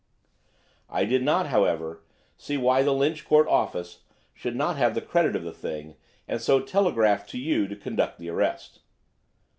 I did not, however, see why the Lynch Court office should not have the credit of the thing, and so telegraphed to you to conduct the arrest."